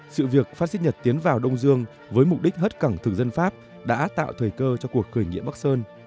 sự việc pháp xích nhật tiến vào đông dương với mục đích hất cảng thực dân pháp đã tạo thời cơ cho cuộc khởi nghĩa bắc sơn